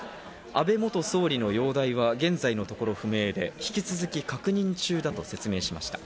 安倍元総理の容体は現在のところ不明で、引き続き確認中だと説明しました。